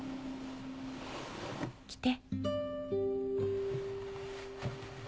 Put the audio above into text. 来て。